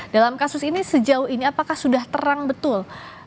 dalam kasus ini sejauh ini apakah sudah terang betul